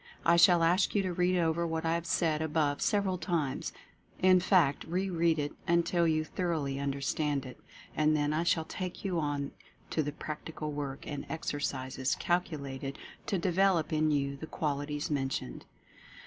I shall ask you to read over what I have said above several times — in fact re read it until you thor oughly understand.it. And then I shall take you on to the practical work and exercises calculated to de 180 Mental Fascination velop in you the qualities mentioned.